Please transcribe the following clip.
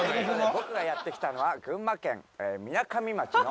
僕がやって来たのは群馬県みなかみ町の。